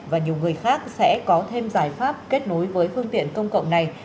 và nhiều người khác sẽ có thêm giải pháp kết nối với phương tiện công cộng này